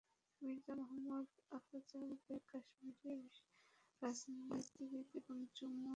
মির্জা মোহাম্মদ আফজাল বেগ কাশ্মীরি রাজনীতিবিদ এবং জম্মু ও কাশ্মিরের দ্য প্রধানমন্ত্রীর লেফটেন্যান্ট ছিলেন।